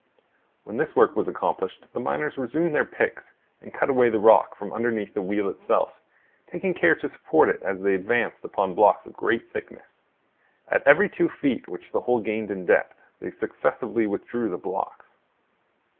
When this work was accomplished, the miners resumed their picks and cut away the rock from underneath the wheel itself, taking care to support it as they advanced upon blocks of great thickness. At every two feet which the hole gained in depth they successively withdrew the blocks.